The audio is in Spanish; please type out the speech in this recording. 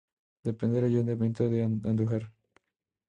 Depende del Ayuntamiento de Andújar.